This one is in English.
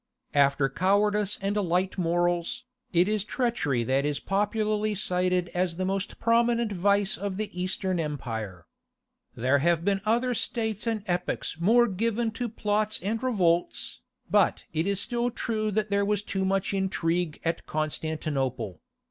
After cowardice and light morals, it is treachery that is popularly cited as the most prominent vice of the Eastern Empire. There have been other states and epochs more given to plots and revolts, but it is still true that there was too much intrigue at Constantinople.